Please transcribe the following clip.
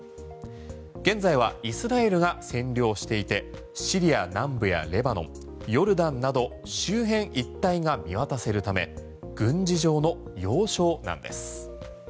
現在はイスラエルが占領していてシリア南部やレバノンヨルダンなど周辺一帯が見渡せるため軍事上の要衝なんです。